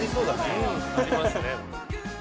岩井：ありますね。